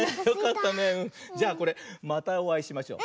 じゃあこれまたおあいしましょう。